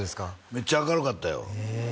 めっちゃ明るかったよへえ